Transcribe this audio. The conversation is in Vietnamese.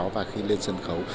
và khi lên sân khấu